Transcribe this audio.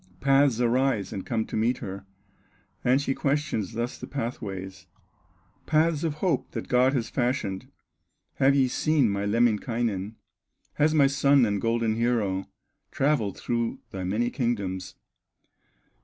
Paths arise and come to meet her, And she questions thus the pathways: "Paths of hope that God has fashioned, Have ye seen my Lemminkainen, Has my son and golden hero Travelled through thy many kingdoms?"